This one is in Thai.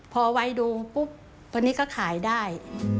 พอไว้ดูปุ๊บตัวนี้ก็ขายได้